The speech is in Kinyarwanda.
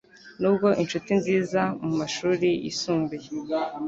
Nubwo inshuti nziza mumashuri yisumbuye